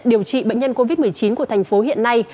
điều trị bệnh nhân covid một mươi chín của thành phố hiện nay